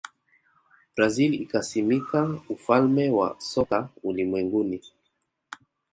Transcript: brazil ikasimika ufalme wa soka ulimwenguni